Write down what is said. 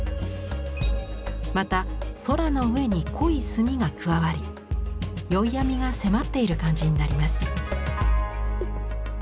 また空の上に濃い墨が加わり宵闇が迫っている感じになります。